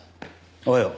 おはよう。